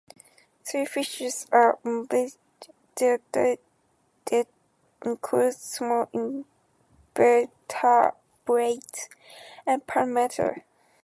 These fishes are omnivorous; their diet includes small invertebrates and plant matter.